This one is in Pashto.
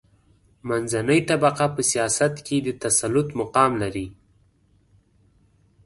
منځنۍ طبقه په سیاست کې د تسلط مقام لري.